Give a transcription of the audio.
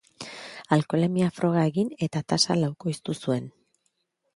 Alkoholemia froga egin eta tasa laukoiztu zuen.